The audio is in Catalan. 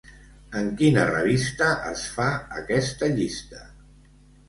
En quina revista es fa aquesta llista?